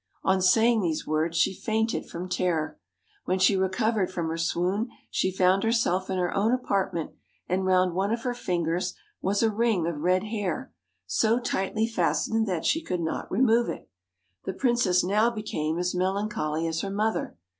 On saying these words she fainted from terror. When she recovered from her swoon, she found herself in her own apartment, and round one of her fingers was a ring of red hair, so tightly fastened that she could not remove it The princess now became as melancholy as her mother.